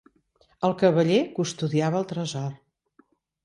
El cavaller custodiava el tresor.